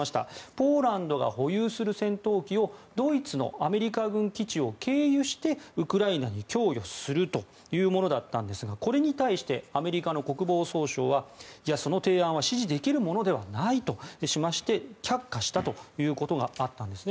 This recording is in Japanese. ポーランドが保有する戦闘機をドイツのアメリカ軍基地を経由してウクライナに供与するというものだったんですがこれに対してアメリカの国防総省はその提案は支持できるものではないとしまして却下したということがあったんですね。